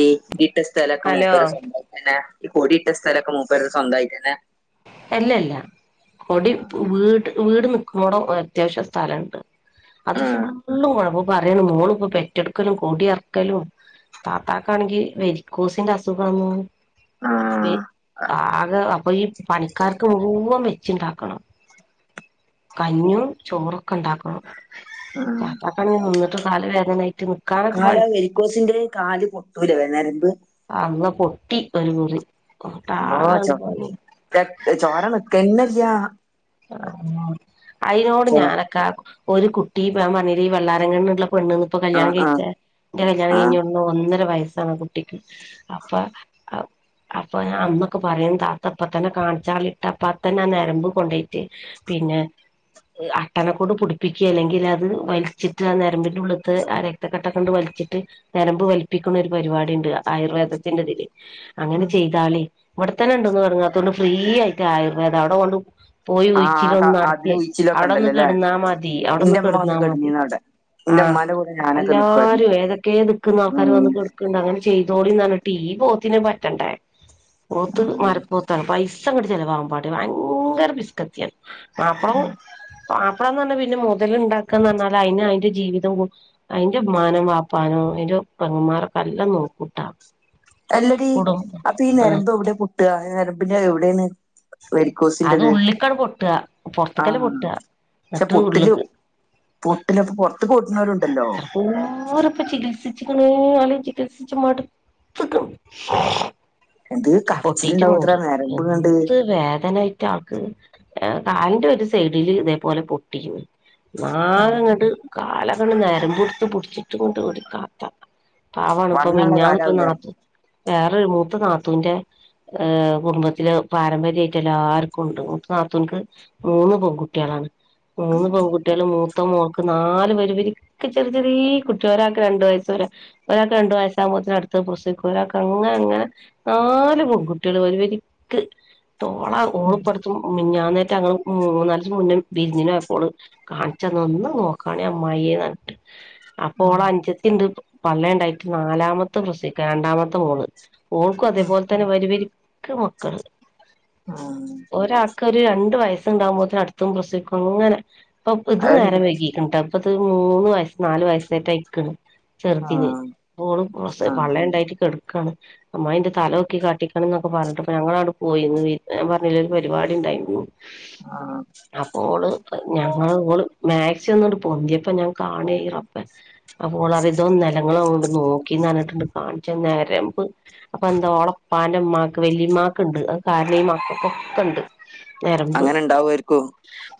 E ഇിട്ട സ്ഥലൊക്കെ hello മുൂപ്പരെ സ്ഥലം തന്നെ ഈ കോടിയിട്ട സ്ഥലൊക്കെ മൂപ്പര്ത് സ്വന്തായിട്ടന്നെ അല്ലല്ല കൊടി വീട് വീട് നിക്കുണോടെ അത്യാവശ്യം സ്ഥലംണ്ട് അത് ആഹ് ഫുള്ളും കൊഴപ്പം പറയണ് മോളും ഇപ്പോ പെറ്റെടുക്കലും കൂടി എറക്കലും താത്താക്കാണെങ്കി വെരിക്കോസിന്റെ അസുഖാന്ന് ആഹ് ആകെ അപ്പൊ ഈ പണിക്കാർക്ക് മുഴുവൻ വെച്ചുണ്ടാക്കണം കഞ്ഞും ചോറൊക്കെ ഉണ്ടാക്കണം ആഹ് താത്താക്കാണ് നിന്നിട്ട് കാല് വേദാനായിട്ട് കാല് വെരിക്കോസിന്റെ കാല് പൊട്ടൂലെ ഞരമ്പ് ട്ടീ ഒരു മുറി അള്ളാ ങ്ങട്ടാകെങ്ങട്ട് ചോ പണിയായി ചോര നിക്കന്നല്ല്യ ആ അയിനോട് ചോ ഞാനൊക്കെ ഒരു കുട്ടി ഞാൻ പറഞ്ഞില്ലെ ഈ വള്ളാരകണ്ണ്ള്ള പെണ്ണ് ഇപ്പോ ആഹ് കല്യാണം ആഹ് കഴിച്ച എന്റെ കല്യാണം ആഹ് കഴിഞ്ഞ അന്ന് ഒന്നര വയസ് സാണ് കുട്ടിക്ക് അപ്പൊ അപ്പൊ അന്നൊക്കെ പറയാൻ താത്തപ്പ തന്നെ കാണിച്ചാളി ഇട്ട പ്പാത്തന്നെ നരമ്പ് പൊട്ടി പിന്നെ അട്ടണക്കോണ്ട് പിടിപ്പിക്കുക അല്ലെങ്കിൽ അത് വലിച്ചിട്ടു നരമ്പിന്റെ ഉള്ളത്ത് ആ രക്തക്കെട്ടെക്കണ്ട് വലിച്ച് ച്ചിട്ട് നരമ്പ് വലിപ്പിക്കുന്ന ഒരു പരിപാടി ഉണ്ട് ആയുർവേദത്തിന്റെതില് അങ്ങനെ ചെയ്താലേ ഇവിടെത്തന്നെ ഉണ്ടന്ന് പററങ്ങാത്തൊണ്ട് ഫ്രീ ആയിട്ട് ആയുർവേദം അവിടെ കൊണ്ട് പോയി ഒഴിച്ചിട്ട ഒന്ന് ആഹ് അതില് നടത്തിയ ഉഴിച്ചിലൊക്കെ അവിട ഒന്ന് ഉണ്ടല്ലോല്ലേ കെടന്നാ മതി അവിടന്ന് എന്റെ അമ്മ വന്ന് കെടന്നാ മതി കെടന്നീന്ന് അവിടെ എന്റെ ആഹ് ഉമ്മാന്റെ കൂടെ ഞാനൊക്കെ നിക്കുവായിരുന്നു എല്ലാരും ഏതൊക്കെ ദിക്കുന്ന ആൾക്കാര് ഉം വന്ന് കൊടുക്കണ്ട് അങ്ങനെ ചെയ്തോളീന്നറിഞ്ഞിട്ട് പോത്തിന് പറ്റണ്ടേ പോത്ത് മരപ്പോത്താണ് പൈസ സ ങ്ങട്ട് ചെലവാകും പറിം ഭയങ്കര പിസ്കത്ത്യാ മാപ്പള പറഞ്ഞാൽ പിന്നെ മുതല് ഉണ്ടാക്കുകന്ന് പറഞ്ഞാൽ അതിന് അതിന്റെ ജീവിതം അതിന്റെ മ്മാനിം വപ്പാനോ പങ്ങന്മാർൊക്കെല്ലാം നോക്കൂട്ടാ അല്ലടി കുടും അപ്പൊ ഈ ആഹ് നരമ്പ് എവിടെ പൊട്ടുക നരമ്പിന്റെ എവിടൊണ് അത് വരിക്കോസിൻ്റത് ഉള്ളിക്കാണ് പൊട്ടുക പൊറത്തേക്കല്ല ആഹ് പൊട്ടുക പക്ഷെ എന്നിട്ട് പുട്ടിലും ഉള്ളിക്ക് പൊട്ടിനെപ്പൊ പൊട്ട് ഒരുപാടൊക്കെ ചികിത്സി ക്ക് ണോ ചികിത്സിച്ച് മട്ത്ത്ക്ക്ണ് എന്ത് പൊട്ടിട്ട് കടച്ചിലുണ്ടാവൂത്ര മുറി നരമ്പ് കണ്ട് എന്ത് വേദനായിട്ട് ആൾക്ക് കാലിന്റെ ഒരു സൈഡില് ഇതേപോലെ പൊട്ടിക്കന്ന് നാഗങ്ങട് കാല അവി നേരമ്പ്ട്ത്ത് പിടിച്ചിട്ടും ങ്ങട്ട് ഒരു കഥ പവാാണ് ഇപ്പ വണ്ണള്ള മിഞ്ഞാന്ന് ഇപ്പ കാലാവൂലേ നാത്തു വേറെ ഒരു മൂത്ത നാത്തുന്റെ ഏ കുടുംബത്തില് പാരമ്പര്യമായിട്ട് എല്ലാർക്കുംണ്ട് മൂത്ത നാത്തൂക്ക് മൂന്ന് പെൺകുട്ടികളാണ് മൂന്ന് പെൺകുട്ടിയാലും മൂ ത്തമോൾക്ക് നാല് വരി വരിക്ക് ചെറിയ ചെറിയ കുട്ടി ഒരാൾക്ക് രണ്ട് വയസ്സ് ഒരാൾക്ക് രണ്ടു വയസ്സാകുമ്പ ടുത്തത് പ്രസവിക്കും ഒരാക്ക് അങ്ങനെ അങ്ങനെ നാല് പെൺകുട്ടികള് വരി വരിക്ക് ഓള് ഓള്പ്പടുത്തു മിഞ്ഞാന്ന് റ്റങ്ങള് മുന്നും വിരിഞ്ഞിനോപ്പോള് കാണിച്ചന്ന ഒന്ന് നോക്കാണെ അമായിയെ നിട്ട് അപ്പൊ ഓള ഉം അഞ്ചത്തിുണ്ട് പള്ള ഉണ്ടായിട്ട് നാലാമത്തെ പ്രസവിക്കാൻ രണ്ടാമത്തെ മോള് ഓൾക്കും അതേപോലെ തന്നെ വരുവരിക്ക മക്കൾ ആഹ കരു രണ്ട് വയസ്സുണ്ടാവുമ്പോത്തന് അടുത്തും പ്രസവിക്കും അങ്ങനെ അപ്പൊ ഇത് അത്ണ്ട് നേരം വൈകീക്ണ്ടാടാ അപ്പത് മൂന്ന് വയസ്സ് നാല് വയസായിട്ട് അയിക്കണ് ചെറുതിന് ആഹ് പോള് ആഹ് പള്ളേല്ണ്ടായിട്ട് ഉണ്ടായിട്ട് കെടക്കയാണ് അമായി ഇന്റെ തലൊക്കെ കാട്ടിക്കണം എന്നൊക്കെ പറഞ്ഞിട്ട് അപ്പ ഞങ്ങളാണ് പോയിന്ന് ഞാൻ പറഞ്ഞില്ല ഒരു പരിപാടി ഉണ്ടായിരുന്നു ആഹ് അപ്പോള് ഞങ്ങ ഓള് മാ കച്ചന്നുകണ്ട് പൊന്തിയപ്പ ഞാൻ കാണെയി റബ്ബേ അപ്പോളതിതോന്നുഅല്ല ങ്ങള് ങ്ങട്ട് നോക്കിന്ന്ഞ്ഞിട്ടുണ്ട് കാണിച്ച നരംബ്ബ്‌. അപ്പൊ എന്താ ഓളപ്പാന്റമ്മാക്ക് വല്ലിമ്മാക്ക്ണ്ട് അ കാരണീമാക്കക്ക ഒക്കെ ഉണ്ട്. അങ്ങനെ ഇണ്ടാവുരിക്കോ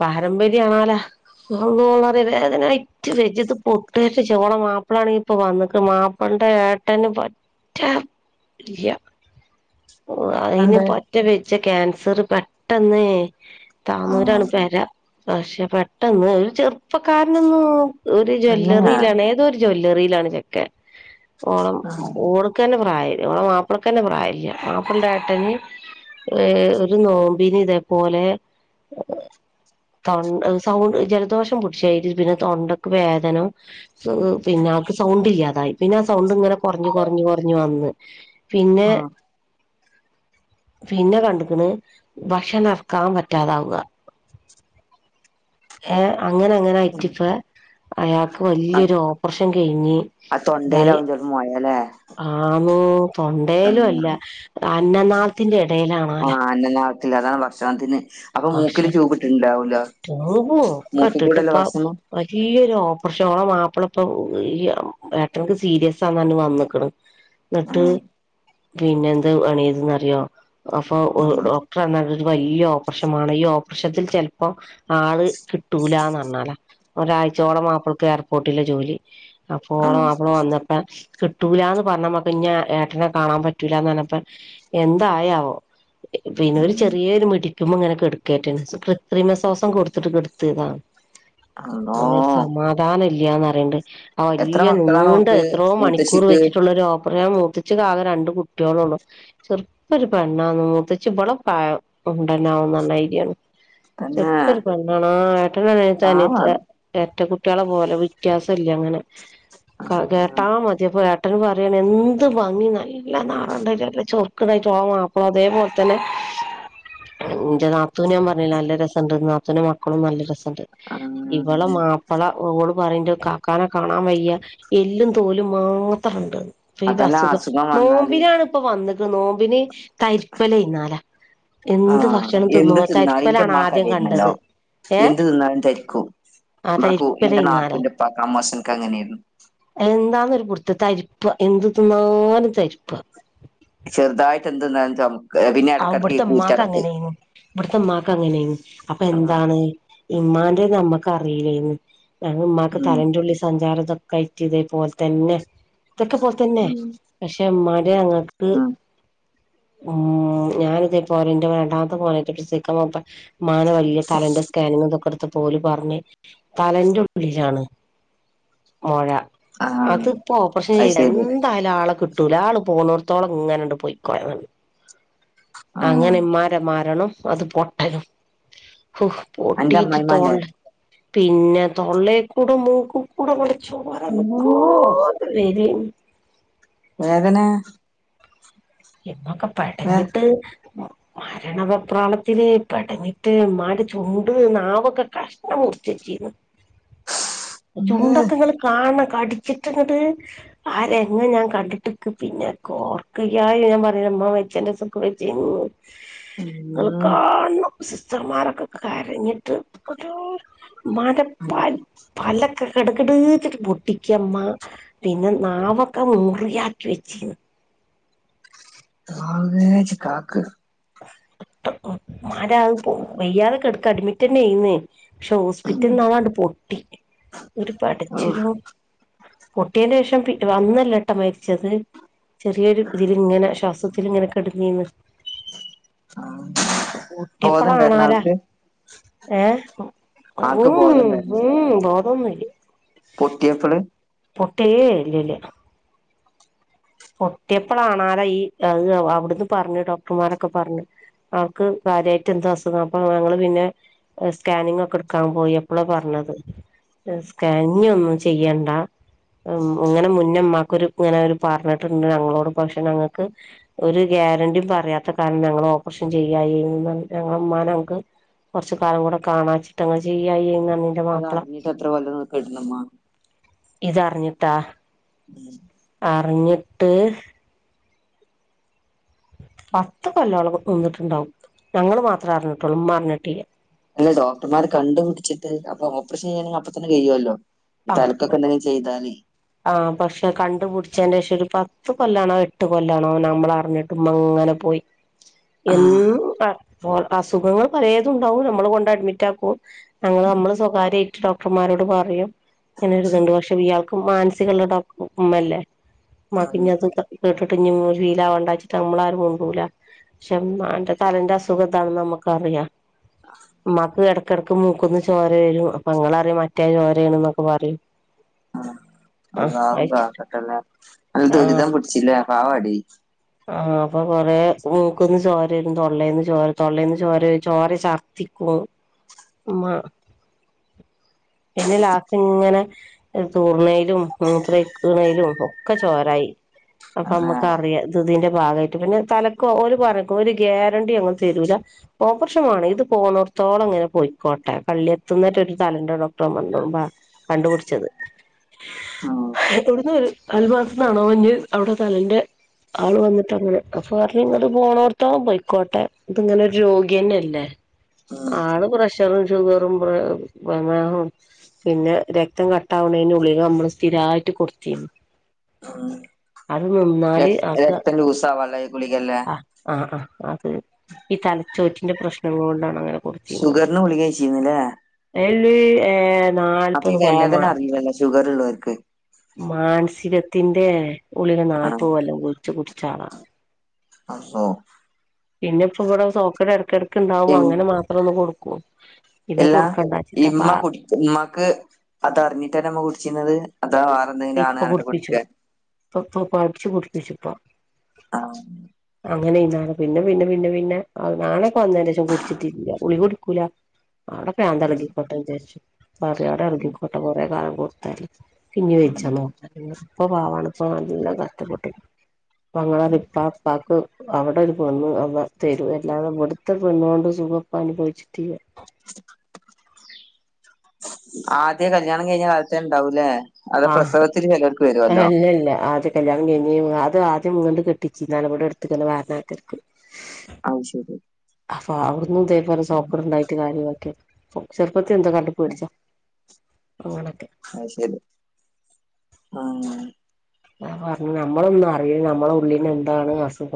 പാരമ്പര്യംമാണല്ല ഓളര്യ അതിനട്ട് വെജത് പൊട്ടായിട്ട് ചോള മാപ്പിള ആണ ഇപ്പൊ വന്നി മാപ്പിള [unintelligible] ഏട്ടന് പറ്റ ഇല്ല അതിന് അതെന്തേ പറ്റ വെജ്ജ ക്യാൻസർ പെട്ടെന്ന് താന്നൂരാണ് ആഹ് പെര പക്ഷെ പെട്ടെന്ന് ഒരു ചെറുപ്പക്കാരനൊന്നു ഒരു പിന്നെ ആഹ് ജ്വല്ലറിയിലാണ് ഏത ഒരു ജ്വല്ലറിയിലാണ് ചെക്ക ഓള ഓള്ക്കന്നെ പ്രായില്ല ഓള മാപ്പിളക്കന്നെ പ്രായമില്ല മാപ്പിളന്റെ എട്ട ന് ഏ ഒരു നോമ്പിന ഇതേപോലെ തൊ സൗണ്ട് ജലദോഷം പിടിച്ചായി പിന്നെ തൊണ്ടക്ക് വേദന പിന്ന ഞങ്ങൾക്ക് സൗണ്ട് ഇല്ലാതായി പിന്നെ ആ സൗണ്ട് ഇങ്ങനെ കുറു കുറഞ്ഞഞ് കുറഞ് വന്ന് പിന്നെ പിന്നെ കണ്ടക്കണ് ഭക്ഷണം ഇറക്കാൻ പറ്റാതാവുക ഏഹ അങ്ങനെ അങ്ങനെ ആയിറ്റി ഇപ്പ അയാൾക്ക് വല്യൊരു ഓപ്പറേഷൻ കഴിഞ്ഞി ആ തൊണ്ടയിലാവും പ്പോ മോയാല് ആഹ ഉ തൊണ്ടേലും ഉം അല്ല അന്നനാളത്തിറെ ഇടയിലാണല്ലെ പില്ലാരാണ് ബക്ഷാണത്തി ന് ഭക്ഷണം ടൂബും ഒക്കെ മൂക്കിക്കൂടെല്ലേ ഇട്ടിട്ട്പ്പ ഭക്ഷണം വലിയൊരു പക്ഷെ ഓള മാപ്പള പ്പൊ ഈ ഏട്ടനിക്ക് സീരിസാ ആ ന്ന് വന്ന് ക്ക് ണ് ന്നിട്ട് ആഹ് പിന്നെ എന്ത് അണീന്ന റി യോ അപ്പൊ ആഹ് ഡോക്ടർഞാ ഒരു വല്യ ഓപ്പറേഷൻ വാണം ഈ ഓപ്പറേഷത്തിൽ ചെൽപ്പോ ആള് കിട്ടൂലാന്ന ർന്നലാ ഒരാഴ്ചോളം മാപ്പൾക്ക് എയർപോർട്ടില ജോലി അപ്പോള മാപ്ല വന്നപ്പ കിട്ടൂലാ ന്ന് പർഞാ മക്ക് ഞാ ഏട്ടനെ കാണാൻ പറ്റൂ ലാ ന്ന് ർ ഞ്ഞപ്പൊ എന്തായാവോ പിന്നെ രു ആഹ് ചെറിയൊരു മിടി ഇങ്ങനെ കെടുക്കാറ്റാ ന് കൃത്രിമസാസം കൊടുത്തിട്ട്കടുത്തെ താ ഓ നൊരു അള്ളോ സമാധാനം ഇല്ല്യാന്ന് അറീ ണ്ട് ആ എത്ര വല്യ മക്കളാണ് നൂണ്ട്‌ ഓൾക്ക് എത്രോ മണിക്കൂർ മൂത്തശ്ശിക്ക് വെച്ചിട്ടുള്ളരു ഓപ്പറൻ മൂത്ത ച്ചി കാകേ രണ്ടു കുട്ട്യേ ളള്ളൂ ചെ ർപൊരു പെണ്ണാ ന്നൂ മൂത്തച്ചി ഇബളെ പ്രായം [unintelligible] തന്നെ ചർപ്പ രു പെണ്ണണോ ആ ഏട്ടന അനിയത്തി പാവാണ് എർട്ട കുട്ടികളെ പോലെ വ്യത്യാസം ഇല്ല അങ്ങനെ ക്ക കേട്ടാ മതിപ്പോ ഏ ട്ടന് പറയാണ് എന്ത് ഭംഗി നല്ല നറ ണ്ടയ്ട്ട് നല്ല ചെറുക്കുണ്ടായിട്ട് ഓളെ മാപ്പ് ള അതേപോലെ തന്നെ എന്റെ നാത്തൂന് ഞാൻ പറഞ്ഞില്ലെ നല്ല രസം ണ്ട് നാത്തൂനും മക്കളും നല്ല രസ ണ്ട് ആ ഇവളെ മാപ്പ് ള ഓള് പറീ ണ്ട് കാക്കാനെ കാണാൻ വയ്യ എല്ലും തോലും മാത്രണ്ട് ഇപ്പൊ ഈ അതല്ല അസുഖം വന്നാല് നോമ്പിനാ ണ് പ്പൊ വന്നത് നോമ്പിന് ക രിപ്പലൈ ന്നാല ആ എന്തു തിന്നാലു എന്റെ മ്മാ ക് ആദ്യം അതെന്നല്ലോ കണ്ടത് ഏ എന്തു തിന്നാലും തരിക്കും ആ [unintelligible] എന്റെ തരിപ്പലയ്ന്നാല നാത്തൂന്റെ പ്പാക് അമ്മുസൻ ക്ക് അങ്ങനെന്നു എന്താന്നൊരു പുടു ത്ത തരിപ്പാ എന്ത് തിന്നാലും തരിപ്പാ ചെറുതായിട്ട് എന്ത്‌ന്നാലും താവു ആ ഇവിടുത്തെ മ്മാക്ക് അങ്ങനെന്നു ഇവിടുത്തെ മ്മാക് അങ്ങനെന്നു അപ്പൊ ആഹ് എന്താണ് ഇമ്മാന്റെ ന മ്മക് അറിയില്ലേന്നു [unintelligible] മ്മാക് ഉം തല ന്റുള്ളി സഞ്ചാര തൊക്കെ ആയ്ട്ട് ഇതേ പ്പോ ൽ തന്നെ ഇതൊക്കെ പോൽ ത്തന്നെ ഉം പക്ഷെ ഉമ്മാട് ഞങ്ങക്ക് ഉം ഉമ് ഞാന് ഇതേപോലെ ഇന്റെ വേണ്ടാത്ത [unintelligible] മുമ്പേ ഉമ്മാനെ വല്യ തലന്റെ സ്കാനിങ്ങും തൊക്കെ എടുത്തു അപ്പോല് പറഞ്ഞ് തലന്റെ ഉള്ളിലാണ് മൊഴ ആഹ് അതിപ്പോ ഓപ്പറേഷൻ അത് ചെയ്യ ശരി എന്തായാലും ആളെ കിട്ടു ട്ടൂല ആള് പോന്നെടുത്തോളം ഇങ്ങനെണ്ട് പോയിക്കോയമതി അങ്ങനെ ആഹ് ഇമ്മാന്റെ മരണം അത് പൊട്ടലും ഹൊ പൊട്ടീ അന്റെ ട്ട് അമ്മായിമ്മാന്റെ തൊള്ള പിന്നെ തൊള്ളേക്കൂടെ മൂക്കു കൂടെങ്ട് ചോര അള്ളോ നിക്കാണ്ട് വരെന്നു വേദനെ എന്നൊക്കെ പെടഞ്ഞിട്ട് മരണവെപ്രാളത്തില് പെടഞ്ഞിട്ട് ഉമ്മാന്റെ ചുണ്ട് നാവൊക്കെ കഷ്ണം മുറിച്ച് ജീവ് ചുണ്ടക്കെ ഉം ങ്ങള് കാണ കടിച്ചിട്ടു ങ്‌ട് ആ രഗം ഞാൻ കണ്ടിട്ട് ക്ക് പിന്നെ ക്ക് ഒറക്കം ല്ലായ് ഞാൻ പറീ ഉമ്മ മരിച്ചീ ന്റെസം ഇക് വജ്ജെന്നു ങ്ങൾ കാണണം സിസ്റ്റർമാരൊക്കെ കരഞ്ഞിട്ട് ഉമ്മാന്റെ പൽ കെടകെ ടെ ച്ചി ട്ട് പൊട്ടിക്ക മ്മ പിന്നെ നാവൊക്കെ മുറിയാക്കി വെച്ചിന്ന് [unintelligible] ഉമ്മാന്റെ വയ്യാതെ കെട്ക്ക അഡ്മിറ്റയിന്ന്‌ പക്ഷെ ഹോസ്പിറ്റൽ ന്നത ണ്ട് പൊട്ടി ഒരു ഓഹ് പെടച്ചിലോ പൊട്ടിയന്റെ ശേഷം പി വന്നല്ല ട്ടൊ മരിച്ചത് ചെറിയൊരു തില് ങ്ങനെ ശ്വാസം തില് ങ്ങനെ കെടന്നീന്ന് ആഹ ഊട്ടിയപ്പോള കാണാലാ ഏ ഉ ആൾക്ക് ബോധണ്ടായിരുന്നു ഉ ബോധോന്നുല്ല പൊട്ടിയപ്പള് ഏയ് ഇല്ല ഇല്ല പൊട്ടിയപ്പളാണാല ഈ അത് അവിടുന്ന് പറഞ്ഞ് ഡോക്ടർമാരൊക്കെ പറഞ്ഞ് അവർക്ക് കാര്യമായിട്ട് എന്ത അസുഖം അപ്പൊ ഞങ്ങള് പിന്നെ സ്കാനിങ്ങ് ഒക്കെ എടുക്കാൻ പോയി അപ്പോളാ പറഞ്ഞത് സ്കാനിങ് ഒന്നും ചെയ്യണ്ട ഇങ്ങനെ മുന്നേമാക്കൊരു ഇങ്ങനെ ഒരു പറ ണ്ട് ഞങ്ങളോട് പക്ഷെ ഞങ്ങൾക്ക് ഒരു ഗ്യാരണ്ടിയും പറയാത്ത കാരണം ഞങ്ങൾ ഓപ്പറേഷൻ ചെയ്യ ഞങ്ങലെ ഉമ്മാനെ ഞങ്ങൾക്ക് കുറച്ചു കാലം കൂടെ കാണാൻ ചിട്ട് [unintelligible] അത് അറിഞ്ഞിട്ട് എത്ര കൊല്ലം കെടന്നുമ്മ ഇതറിഞ്ഞിട്ടാ ഉം അറിഞ്ഞിട്ട് പത്ത് കൊല്ലോളം നിന്നിട്ടുണ്ടാവും ഞങ്ങള് മാത്രമേ അറിഞ്ഞിട്ടുള്ളൂ ഉമ്മ അറിഞ്ഞിട്ടില്ല അല്ല ഡോക്ടർമാർ കണ്ടു പിടിച്ചിട്ട് അപ്പൊ ഓപ്പറേഷൻ ചെയ്യണെങ്കിൽ അപ്പ തന്നെ ചെയ്യുമല്ലോ തലക്കൊക്കെ എന്തെങ്കിലും ചെയ്താല് ആഹ പക്ഷെ കണ്ടു പുടിച്ചെന്റെ ശേഷം ഒരു പത്ത് കൊല്ലാണോ എട്ട് കൊല്ലാണോ നമ്മൾ അറിഞ്ഞിട്ട് ഉമ്മ അങ്ങനെ പോയി ആഹ് എന്നും അ അസുഖങ്ങൾ പലതു ണ്ടാവും നമ്മള് കൊണ്ട് അഡ്മിറ്റക്കും ഞങ്ങൾ നമ്മള് സ്വകാര്യമായിട്ട് ഡോക്ടർമാർ- രോട് പറയും ഇങ്ങനി ഒരു ഇത് ണ്ട് ഇയാൾക്ക [unintelligible] ഉമ്മല്ലേ ഉമ്മാക് അതും കെ ട്ടിട്ട് ഫീല വണ്ടാച്ചിട്ട് നമ്മള ആാരുംമുണ്ടൂല. പക്ഷെ എന്റെ തലന്റെ അസുഖതാണ നമ്മുക്കറിയാം. മ്മക്ക് ഇടക്കിടക്ക് മൂക്കന്ന് ചോര വരും അപ്പൊ ങ്ങള് പരിം മറ്റേ ചോരയണ ന്നൊക്കെ പറയും. [unintelligible] അള്ളാഹു അയച്ചു കാക്കട്ടെ ല്ലേ നല്ല ആഹ് ദുരിതം പിടിച്ചില്ലേ പാവടി. ആഹ് അപ്പൊ കൊറെേ മൂക്കന്ന് ചോര ആപ്പം കൊറേ മൂക്കിന് ചോര വരും തൊള്ളയിൽന്ന് ചോര വരും ചോര ചർത്തിക്കും. അ മ പിന്നെ ലാസ്റ്റ് ഇങ്ങനെ തൂർണേലും മൂത്രക്കണേലും ഒക്കെ ചോരായി- അപ്പൊ അള്ളാ നമ്മുക്ക് അറിയാം ത് തിന്റെ - ഭാഗമായിട്ട് പിന്നെ തലക്കോ ഒരു പറഞ്ഞക്ക ഒരു ഗ്യാരണ്ടി അങ്ങെ തരൂല ഓപ്പർഷ ആ ഇത് പോണോർ- ഇത്രത്തോളം ങ്ങനെ പൊ യിക്കോട്ടെ കള്ളിയെത്തുന്നട്ടൊ ഒരു തലുണ്ട ഡോക്ടർ മന്തോ കണ്ടുപടിച്ചത്. ഉം ഇവിടുന്ന് ഒരു അൽമാസ നാണോ മഞ്ഞ് അവിടെ തലന്റെ - ആള് വന്നിട്ട്ങ്ങനെ അപ്പൊ പറഞ്ഞ ഇങ്ങത് പോണോടത്ത പോയിക്കോട്ടെ ഇത്ങ്ങനെ ഒരു രോഗിന്നെയല്ലേ. ഉം ആള് പ്രഷറും ഷുഗറും പേമെഹും പിന്നെ രക്തം കട്ടാവുന്നതിന് ഗുളിക നമ്മള് സ്ഥിരായിട്ട് കൊടുത്തിനു. ആഹ് അത് നിന്നാല് ആക്ക ഈ ഗുളികല്ലേ ആ ആഹ ആ അത്- ഈ തലച്ചോറ്റിന്റെ പ്രശ്നങ്ങൾ കൊണ്ടാണ് അങ്ങനെ കൊടുത്തിരുന്നത് ഷുഗറിന് ഗുളിക കഴിച്ചിരുന്നില്ലേ അല്- ഏ അപ്പൊ നാല്പത് ഈ വേദന കൊല്ലമാണ് അറിയില്ലല്ലോ ഷുഗർ ഉള്ളവർക്ക് മാനസിക - ത്തിന്റെ ഉള്ളില് നാൽപ്പോല്ലാം ഗുളിക കുടിച്ച ആളാ - അസോ- പിന്നെ ഇപ്പൊ ഇവിടെ സോക്കറ്റ് ഇടക്കി ഇടക്ക് ഇണ്ടാവു ഉം അങ്ങനെ മാത്രം ഒന്ന് കൊടുക്കു. പിന്നെ കൊടുക്കണ്ടാ ചിട്ടാ പാവം ഉമമാക്ക് അതറിഞ്ഞിട്ടന്ന അമ്മ കുടിച്ചിരുന്നത് അതാ വേറെ ന്തെങ്കിലും ആണ് പറഞ്ഞിട്ട് കുടിക്കെ തോപ്പടിച്ച് കുടിപ്പിച്ചിട്ട- ആഹ് അങ്ങനെ ഇന്നാണ് പിന്നെ പിന്നെ പിന്നെ പിന്നെ നാണൊക്കെ വന്നേര രശം കുടിച്ചിട്ടിില്ല ഗുളിക കുടിക്കൂല അവിടെ ഉം പ്രാന്താളകി കോട്ടെ വിചരിച്ചു വോവിടെ ഉം ഇറുകിക്കോട്ടെ കുറെേ കാല- ഉം [unintelligible] ഇപ്പ പാവാണ ഇപ്പ നല്ല കഷ്ടപ്പെട്ടു [unintelligible] അവിടിടൊരു പെണ്ണ് അവ തരൂ എല്ലാതും ഇവിടുത്തെ പെണ്ണോണ്ട് സുഖം ഇപ്പ അനു- തിയ- ആദ്യ കല്യാണം കഴിഞ്ഞാൽ കാലത്തെ ണ്ടാവും ലെ,. ആഹ് ഏ ഇല്ലല്ലാ ആദ്യ കല്യാണം കഴ് അത് ആദ്യമുങ്ങണ്ട് കെട്ടിച്ചിന്ന [unintelligible] ഇവിടെ എടുത്തക്ക വാരാക്കർക്ക്- അഹ് ശരി. അപ്പൊ അവിടന്നുംതേപോല ഉം സ്വകാട് ണ്ടായിട്ട് കാര്യൊക്കെ ചെറുപ്പത്തി എന്തോ കണ്ടുപേടിച്ചാ- ഓണ ആഹ് ശരി ആഹ്. അാ റഞ്ഞു ഞമ്മളൊന്നും അറിയേ ഞമ്മളെ ഉള്ളിന്ന് എന്താണ് അസു -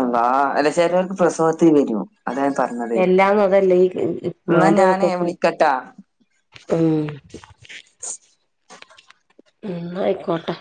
അല്ലാഹ് അല്ല ചേലോറ്ക്ക് പ്രസവത്തി വരും. അതാ ഞാൻ പറഞ്ഞത് എല്ലാംന്ന അതല്ലേ ഈ എന്നാ ഞാനേ മാൻ്റകൊക്കക്കെ- വിളിക്കട്ടാ ഉം ന്നായിക്കോട്ടെ.